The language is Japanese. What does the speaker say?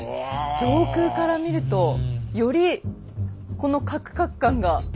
上空から見るとよりこのカクカク感が。